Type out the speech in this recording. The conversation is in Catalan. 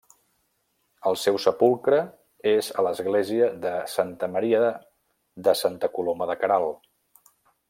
El seu sepulcre és a l'església de Santa Maria de Santa Coloma de Queralt.